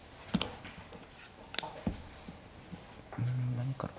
うん何から。